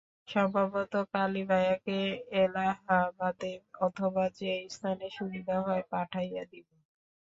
সম্ভবত কালীভায়াকে এলাহাবাদে অথবা যে স্থানে সুবিধা হয়, পাঠাইয়া দিব।